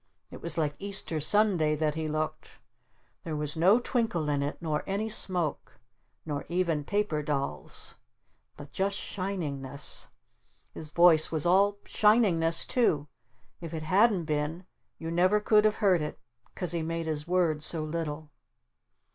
It was like Easter Sunday that he looked! There was no twinkle in it. Nor any smoke. Nor even paper dolls. But just SHININGNESS! His voice was all SHININGNESS too! If it hadn't been you never could have heard it 'cause he made his words so little.